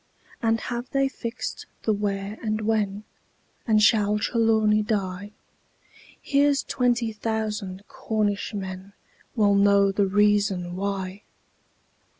And have they fixed the where and when? And shall Trelawny die? Here's twenty thousand Cornish men Will know the reason why!